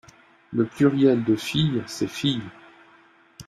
Le pluriel de fille c’est filles.